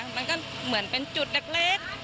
มันก็เหมือนเป็นจุดเล็ก